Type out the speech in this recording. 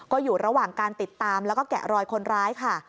ก็อยู่ระหว่างการติดตามแล้วก็แกะรอยคนร้ายค่ะ